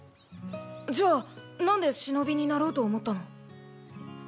じゃあなんで忍になろうと思ったの？